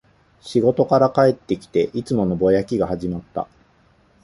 仕事から帰ってきて、いつものぼやきが始まった